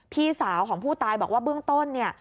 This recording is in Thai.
พี่สาวของผู้ตายบอกว่าเบื้องต้นเนี่ย